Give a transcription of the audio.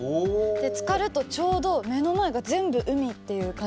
つかるとちょうど目の前が全部海っていう感じになって。